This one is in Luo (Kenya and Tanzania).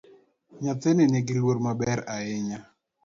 Nyathini nigiluor maber ahinya